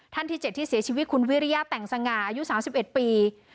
ที่๗ที่เสียชีวิตคุณวิริยาแต่งสง่าอายุ๓๑ปี